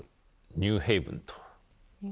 ニューヘイブン。